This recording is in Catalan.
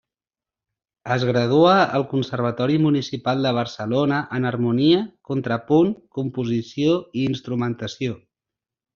Es gradua al Conservatori Municipal de Barcelona en harmonia, contrapunt, composició i instrumentació.